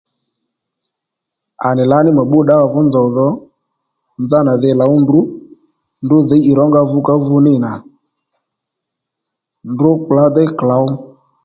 À nì lǎní mà bbú ddǎwà fú nzòw dho nzánà dhi lǒw ndrǔ ndrǔ dhǐy ì rónga vukávu nǐ nà ndrǔ kplǎ déy klǒw